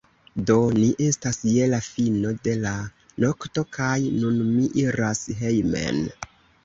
Do, ni estas je la fino de la nokto kaj nun mi iras hejmen